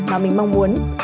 mà mình mong muốn